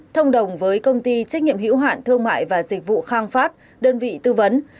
thông đồng với công ty trách nhiệm hữu hạn thương mại và dịch vụ khang phát đơn vị tư vấn